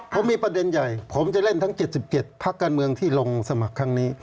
ผมมีประเด็นใหญ่ผมจะเล่นทั้ง๗๗พักการเมืองที่ลงสมัครครั้งนี้